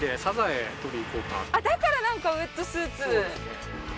あっだからなんかウェットスーツ。